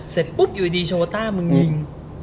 เสร็จปุ๊บอยู่ดีโชต้ามึงยิง